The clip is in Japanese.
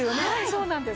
そうなんです。